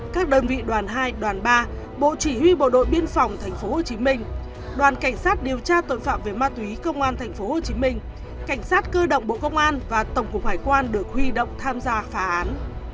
các đơn vị đoàn hai đoàn ba bộ chỉ huy bộ đội biên phòng tp hcm đoàn cảnh sát điều tra tội phạm về ma túy công an tp hcm cảnh sát cơ động bộ công an và tổng cục hải quan được huy động tham gia phá án